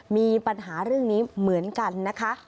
มีปัญหาเรื่องนี้เหมือนกันนะคะ